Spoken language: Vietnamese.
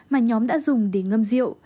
mà nhóm đã dùng để ngâm rượu